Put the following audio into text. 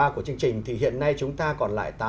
của chương trình thì hiện nay chúng ta còn lại